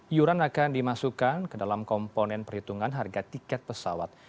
iuran akan dimasukkan ke dalam komponen perhitungan harga tiket pesawat